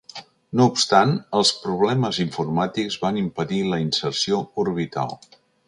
No obstant, els problemes informàtics van impedir la inserció orbital.